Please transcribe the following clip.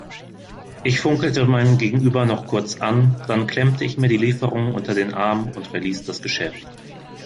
Ich funkelte mein Gegenüber noch kurz an, dann klemmte ich mir die Lieferung unter den Arm und verließ das Geschäft.